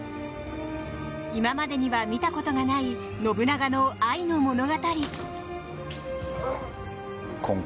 今までには見たことがない信長の愛の物語。